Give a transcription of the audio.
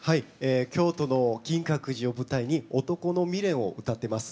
京都の銀閣寺を舞台に男の未練を歌ってます。